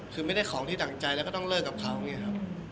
คือไม่ได้ของที่ดั่งใจแล้วก็ต้องเลิกกับเขาอย่างนี้ครับ